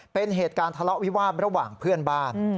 เป็นเหตุการณ์ทะเลาะวิวาสระหว่างเพื่อนบ้าน